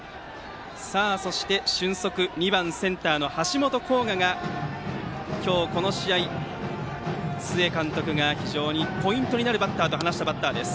そして俊足２番センターの橋本航河が今日この試合、須江監督が非常にポイントになるバッターと話したバッターです。